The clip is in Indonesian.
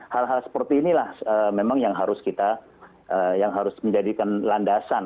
hal hal seperti inilah memang yang harus kita yang harus menjadikan landasan